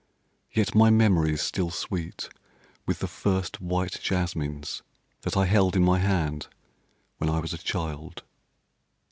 Yet my memory is still sweet with the first white jasmines that I held in my hand when I was a child.